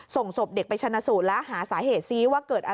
ส่งศพเด็กไปชนะศูนย์และหาสาเหตุซี้ว่า